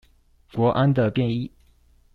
國安的便衣